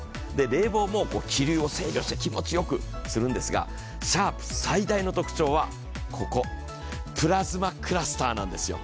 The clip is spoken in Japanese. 冷房も気流を制御して気持ちよくするんですが、シャープ最大の特徴はプラズマクラスターなんですよ。